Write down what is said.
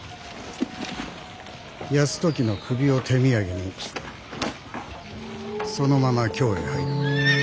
泰時の首を手土産にそのまま京へ入る。